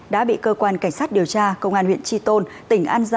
đã bị cơ quan cảnh sát điều tra công an huyện tri tôn tỉnh an giang